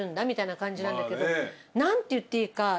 みたいな感じなんだけど何て言っていいか。